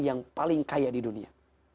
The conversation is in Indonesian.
yang paling kaya di dunia